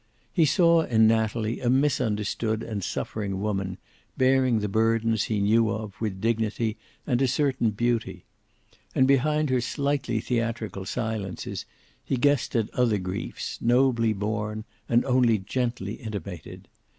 He saw in Natalie a misunderstood and suffering woman, bearing the burdens he knew of with dignity and a certain beauty. And behind her slightly theatrical silences he guessed at other griefs, nobly borne and only gently intimated.